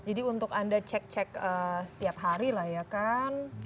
jadi untuk anda cek cek setiap hari lah ya kan